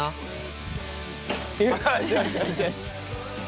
よしよしよし。